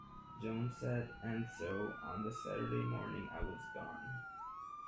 Jones said And so, on the Saturday morning I was gone.